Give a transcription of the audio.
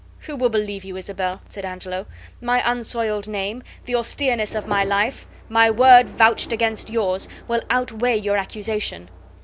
"Who will believe you, Isabel?" said Angelo; "my unsoiled name, the austereness of my life, my word vouched against yours, will outweigh your accusation.